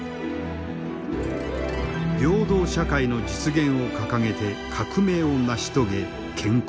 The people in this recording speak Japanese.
平等社会の実現を掲げて革命を成し遂げ建国。